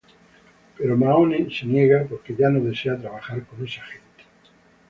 Pero Mahone se niega porque, ya no desea trabajar con esa gente.